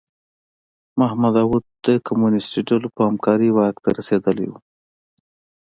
محمد داوود د کمونیستو ډلو په همکارۍ واک ته رسېدلی و.